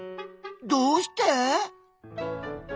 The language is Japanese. どうして？